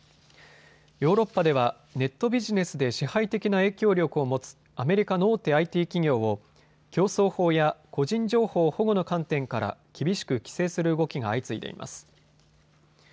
ヨーロッパではネットビジネスで支配的な影響力を持つアメリカの大手ＩＴ企業を競争法や個人情報保護の観点から厳しく規制する動きが相次いでいます。